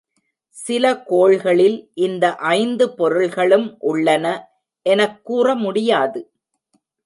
சில கோள்களில் இந்த ஐந்து பொருள்களும் உள்ளன எனக் கூற முடியாது.